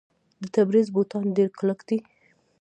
د تبریز بوټان ډیر کلک دي.